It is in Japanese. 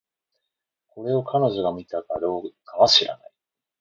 これを、彼女が見たのかどうかは知らない